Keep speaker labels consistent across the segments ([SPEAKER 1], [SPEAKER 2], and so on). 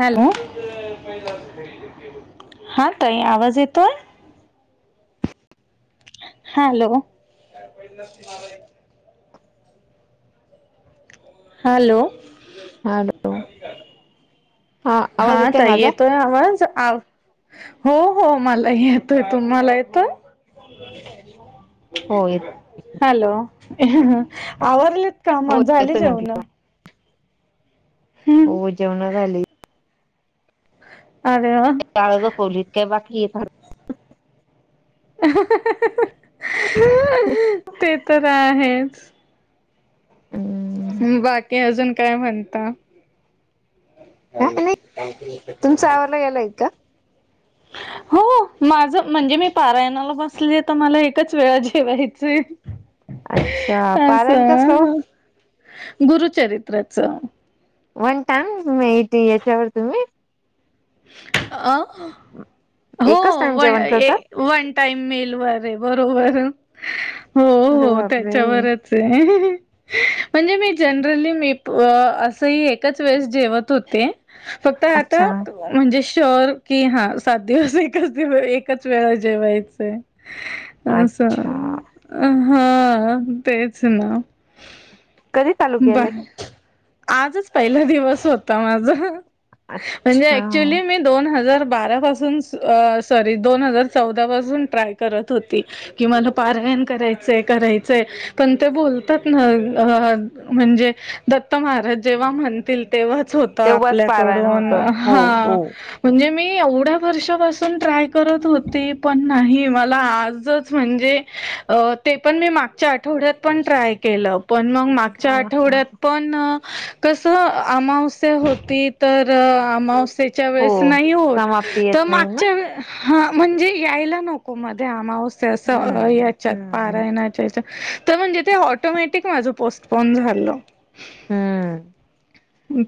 [SPEAKER 1] Hello -हा ताई आवाज येतोय. हॅलो हॅलो
[SPEAKER 2] हॅलो
[SPEAKER 1] हा ताई येतोय आवाज आव हो हो मला येतो तुम्हाला येतोय.
[SPEAKER 2] हो येत
[SPEAKER 1] [inaudible] हॅलो आवरलीत का
[SPEAKER 2] हो
[SPEAKER 1] म झाली
[SPEAKER 2] येतोय
[SPEAKER 1] जेवन
[SPEAKER 2] म्हंटलं हो जेवन झाली.
[SPEAKER 1] अरे वा!
[SPEAKER 2] बाळ झोपवलीत काय बाकी येत अ
[SPEAKER 1] ते तर आहेच.
[SPEAKER 2] हम्म
[SPEAKER 1] म बाकी अजून काय म्हणता [unintelligible]
[SPEAKER 2] खेळयीत का?
[SPEAKER 1] हो. माझ म्हणजे मी पारायणाला बसले त मला एकच वेळा जेवायचंय.
[SPEAKER 2] अच्छा पारायण कसलं
[SPEAKER 1] असं
[SPEAKER 2] हो
[SPEAKER 1] गुरुचरित्राच
[SPEAKER 2] वन टाईम म येती याच्यावर तुम्ही
[SPEAKER 1] अ हो
[SPEAKER 2] एकच टाइम
[SPEAKER 1] व
[SPEAKER 2] जेवण
[SPEAKER 1] ए
[SPEAKER 2] करता
[SPEAKER 1] वन टाईम मेलवर ये बरोबर हो
[SPEAKER 2] अरे
[SPEAKER 1] हो
[SPEAKER 2] बापरे
[SPEAKER 1] त्याच्यावरच चं म्हणजे मी जनरली मी अ असही एच वेळेस जेवत होते. फक्त
[SPEAKER 2] अच्छा
[SPEAKER 1] आता म्हणजे श्युअर की हा सात दिवस एकच दिवस एकच वेळा जेवायचंय.
[SPEAKER 2] अच्छा
[SPEAKER 1] असं हा तेच ना
[SPEAKER 2] कधी चालू
[SPEAKER 1] मं
[SPEAKER 2] केलंय
[SPEAKER 1] काय आजच पहिला दिवस होता माझा
[SPEAKER 2] आ
[SPEAKER 1] म्हणजे ऍक्चुली मी दोन हजार बारापासून सू अ सॉरी दोन हजार चौदा पासून ट्राय करत होती. की मला पारायण करायचंय करायचंय पण ते बोलतात ना ह ह ह म्हणजे दत्त महाराज जेव्हा म्हणतील तेव्हाच होतं
[SPEAKER 2] तेव्हाच पारायण होत
[SPEAKER 1] आपल्याकडून
[SPEAKER 2] हो हो
[SPEAKER 1] हा म्हणजे मी एवढ्या वर्षापासून ट्राय करत होती पण नाही मला आजच म्हणजे ते पण मी मागच्या आठवडत पण ट्राय केलं पण म मागच्या
[SPEAKER 2] हा हा.
[SPEAKER 1] आठवड्यात पण कस अमावस्या होती तर सेच्या
[SPEAKER 2] हो
[SPEAKER 1] वेळेस नाही होत
[SPEAKER 2] समाप्ती येत
[SPEAKER 1] तर
[SPEAKER 2] नाही ना
[SPEAKER 1] मागच्या व हा म्हणजे यायला नको मध्ये अमावस्या अस
[SPEAKER 2] हम्म
[SPEAKER 1] याच्यात
[SPEAKER 2] हम्म
[SPEAKER 1] पारायना अचचछा तर म्हणजे ते ऑटोमॅटिक माझं पोस्टपोन झालं.
[SPEAKER 2] हम्म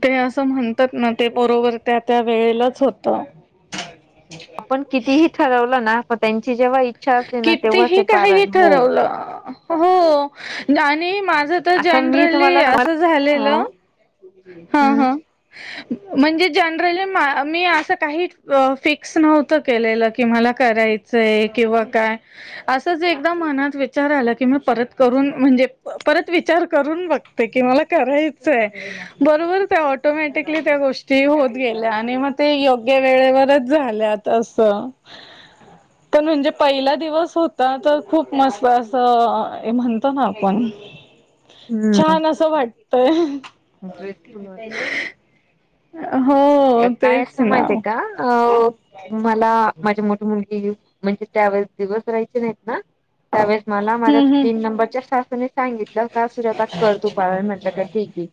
[SPEAKER 1] ते असं म्हणतात ना ते बरोबर त्या त्या वेळेलाच होत.
[SPEAKER 2] आपण कितीही ठरवलं ना पण त्यांची जेव्हा इच्छा असली ना तेव्हाच ते
[SPEAKER 1] कितीही काही
[SPEAKER 2] पारायण हो
[SPEAKER 1] ठरवलं हो आणि माझ. तर
[SPEAKER 2] आता मी
[SPEAKER 1] जनरली
[SPEAKER 2] तुम्हाला
[SPEAKER 1] असं
[SPEAKER 2] ह
[SPEAKER 1] झालेलं ह
[SPEAKER 2] हम्म
[SPEAKER 1] ह. म्हणजे जनरली मी अस काही फिक्स नव्हत के की मला करायचं. किंवा काय? असंच एकदा मनात विचार आला की मी परत करून म्हणजे परत विचार करून बघ. ते कि मला करायचंय. बरोबर त्या ऑटोमॅटिकली त्या गोष्टी होत गेल्या आणि मग ते योग्य वेळेवरच झाल्या. तसं पण म्हणजे पहिला दिवस होता तर खूप मस्त असं म्हणतो ना आपण
[SPEAKER 2] हम्म
[SPEAKER 1] छान असं वाटतय.
[SPEAKER 2] ड्रेसफुल वाटते.
[SPEAKER 1] हो
[SPEAKER 2] काय
[SPEAKER 1] तेच
[SPEAKER 2] असतं
[SPEAKER 1] ना
[SPEAKER 2] माहितीय का अ मला माझ्या मोठी मुलगी म्हणजे त्यावेेळेस दिवस राहायची नाहीत ना त्यावेळेस मला माझ्या
[SPEAKER 1] हम्म हम्म
[SPEAKER 2] तीन नंबरच्या सासूने सांगितलं का सूजता कर तू पारायन म्हटलं का ठीक आहे.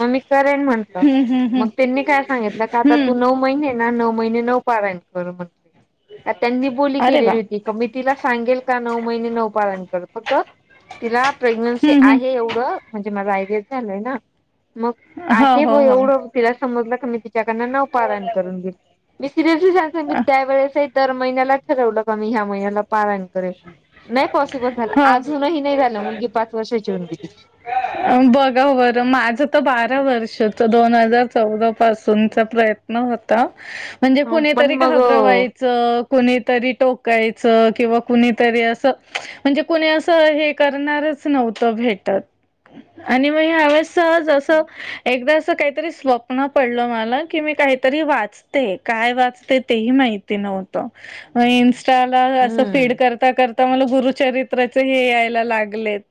[SPEAKER 2] मग मी करेन म्हंटलं
[SPEAKER 1] हम्म हम्म
[SPEAKER 2] मग
[SPEAKER 1] हम्म
[SPEAKER 2] त्यांनी काय सांगितलं का आता तू
[SPEAKER 1] हम्म
[SPEAKER 2] नऊ महिने ना नऊ महिने नऊ पारायण कर म्हंटले. त्यांनी बोली
[SPEAKER 1] अरे वा
[SPEAKER 2] केलेली होती. मी तिला सांगेल का नऊ महिने नऊ पारायन करत फक्त तिला प्रेग्नन्सी
[SPEAKER 1] हम्म
[SPEAKER 2] आहे
[SPEAKER 1] हम्म
[SPEAKER 2] एवढं म्हणजे माझ आयरि झालंय ना मग
[SPEAKER 1] हो
[SPEAKER 2] आहे
[SPEAKER 1] हो
[SPEAKER 2] बुवा
[SPEAKER 1] हो
[SPEAKER 2] एवढं. तिला समजलं क मी तिच्याकड नऊ पारायण करून घेईल मी सिरीयसली सांगते म्हणजे त्यावेेळेस दर महिन्याला ठरवलं कमी ह्या महिन्याला पारायन नाही पॉसिबल झालं
[SPEAKER 1] ह
[SPEAKER 2] अजूनही नाही झालं मुलगी पाच वर्षाची होऊन गेली.
[SPEAKER 1] बघा बरं माझं तर बारा वर्ष होत दोन हजार. चौदा पासून चा
[SPEAKER 2] असं.
[SPEAKER 1] प्रयत्न होता म्हणजे
[SPEAKER 2] ह पण
[SPEAKER 1] कुतरी
[SPEAKER 2] मग
[SPEAKER 1] घाब. कुणीतरी टोकायचं किंवा कुणीतरी असं. म्हणजे कुणी असं हे करणारच नव्हतं भेटत. आणि मग ह्यावेळेस सहज अस एकदा अस काहीतरी स्वप् ण पडलं मला की मी काहीतरी वाचते काय वाचते तेही माहिती नव्हतं. इंस्टाला अस फीड
[SPEAKER 2] हम्म
[SPEAKER 1] करता कर. आ मला गुरुचरित्राचे हे यायला लागलेत.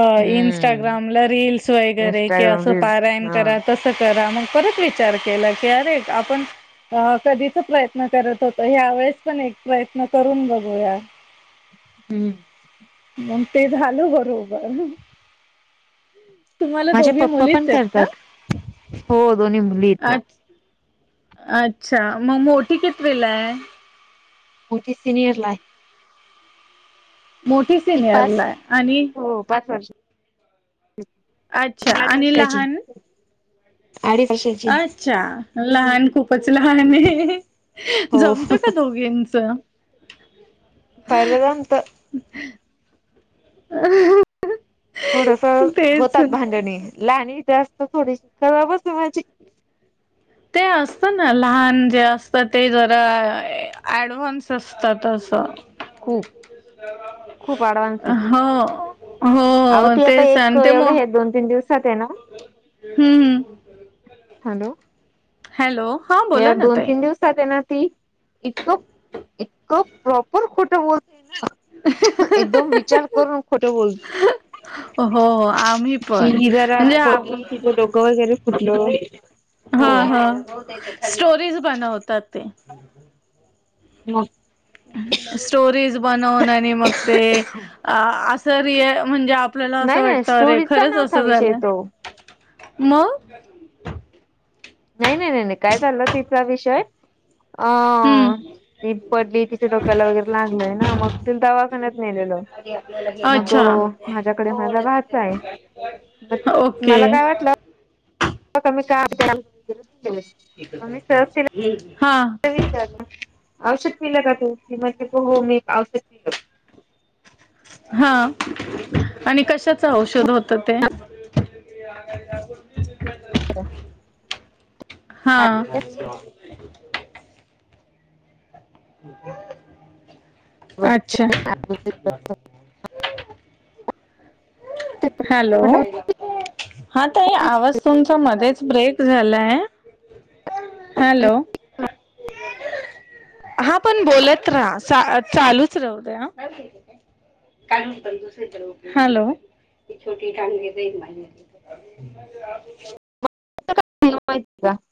[SPEAKER 1] अ
[SPEAKER 2] हम्म
[SPEAKER 1] इंस्टाग्रामला रीलस वगैरे कि
[SPEAKER 2] इंस्टाग्राम
[SPEAKER 1] असं
[SPEAKER 2] रील्स
[SPEAKER 1] पारायण
[SPEAKER 2] हा
[SPEAKER 1] करा. कसं करा मग परत विचार केला की अरे आपण अ कधीच प्रयत्न करत होत ह्या वेळेस पण एक प्रयत्न करून बघूया.
[SPEAKER 2] हम्म
[SPEAKER 1] मग ते झालं बरोबर. तुम्हाला
[SPEAKER 2] माझे
[SPEAKER 1] दोघी
[SPEAKER 2] पप्पा
[SPEAKER 1] मुलीच
[SPEAKER 2] पण
[SPEAKER 1] आहेत
[SPEAKER 2] करतात.
[SPEAKER 1] का?
[SPEAKER 2] हो दोन्ही मुली आहेत ना.
[SPEAKER 1] अच्छा मग मोठी कितविलाय
[SPEAKER 2] मोठी सिनियरला आहे.
[SPEAKER 1] मोठी
[SPEAKER 2] ती पास
[SPEAKER 1] सिनियरला आहे आणि
[SPEAKER 2] हो पाच वर्ष
[SPEAKER 1] अच्छा आणि
[SPEAKER 2] वाची
[SPEAKER 1] लहान
[SPEAKER 2] आडी कशी
[SPEAKER 1] अच्छा लहान खूपच लहान आहे.
[SPEAKER 2] हो
[SPEAKER 1] जमत का दोघींच.
[SPEAKER 2] जमत
[SPEAKER 1] [unintelligible]
[SPEAKER 2] थोडस होतात
[SPEAKER 1] तेच
[SPEAKER 2] भांडणी लाहनी जास्त थोडीशी करा बस माझी
[SPEAKER 1] ते असत ना लहान जे असत ते जरा ऍडव्हान्स असतात असं
[SPEAKER 2] खूप खूप
[SPEAKER 1] हा
[SPEAKER 2] अव ती आता एक एवढं हे दोन तीन दिवसात आहे ना
[SPEAKER 1] हम्म
[SPEAKER 2] हॅलो
[SPEAKER 1] हॅलो हा
[SPEAKER 2] या
[SPEAKER 1] बोला ना
[SPEAKER 2] दोन
[SPEAKER 1] ताई
[SPEAKER 2] तीन दिवस ना इतकं इतकं प्रॉपर खोटं बोलते ना एकदम विचार करून खोटे बोलतो
[SPEAKER 1] हो हो पण
[SPEAKER 2] कि जरा
[SPEAKER 1] म्हणजे आप
[SPEAKER 2] पली तिचं डोकं वगैरे फुटलं
[SPEAKER 1] हा
[SPEAKER 2] हो
[SPEAKER 1] हा स्टोरीज बनवतात ते
[SPEAKER 2] मग
[SPEAKER 1] स्टोरीज बनवून आणि मग ते असं म्हणजे आपल्याला
[SPEAKER 2] नाही
[SPEAKER 1] असं
[SPEAKER 2] नाही
[SPEAKER 1] वाटत अरे
[SPEAKER 2] स्टोरीचा
[SPEAKER 1] खरंच
[SPEAKER 2] नव्हता
[SPEAKER 1] असं
[SPEAKER 2] विषय
[SPEAKER 1] झालं
[SPEAKER 2] तो
[SPEAKER 1] मग
[SPEAKER 2] नाही नाही नाही नाही काय चालं तिचा विषय अ ह
[SPEAKER 1] हम्म
[SPEAKER 2] ती पडली तिच्या डोक्याला वगैरे लागलय ना मग तिला दवाखान्यात नेलेलं मग
[SPEAKER 1] अच्छा
[SPEAKER 2] माझ्याकडे माझा भाचा आहे मग
[SPEAKER 1] ओके
[SPEAKER 2] मला काय वाटलं [unintelligible]
[SPEAKER 1] हा
[SPEAKER 2] चार औषध पलं का तू कि म ते हो मी औषध पलं
[SPEAKER 1] हा आणि कशाच औषध होत ते हा
[SPEAKER 2] म्हटलं,
[SPEAKER 1] अच्छा हॅलो हा ताई आवाज तुमचा मध्येच ब्रेक झाला आहे हॅलो हा पण बोलत राहा चालूच राहू दे [unintelligible] [unintelligible]
[SPEAKER 2] [unintelligible]